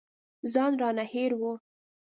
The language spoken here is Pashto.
ځان رانه هېر و.